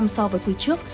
so với quý trước